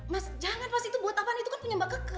mas jangan mas itu buat apaan itu kan punya mbak keka